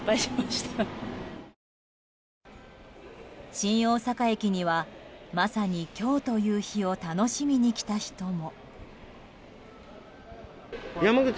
新大阪駅にはまさに今日という日を楽しみに来た人も。